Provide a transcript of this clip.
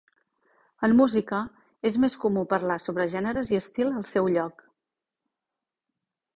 En música és més comú parlar sobre gèneres i estil al seu lloc.